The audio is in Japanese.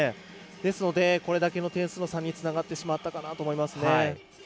ですので、これだけの点数の差につながってしまったかなと思います。